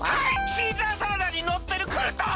シーザーサラダにのってるクルトン！